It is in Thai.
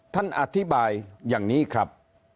ท่านอธิบายอย่างนี้ครับ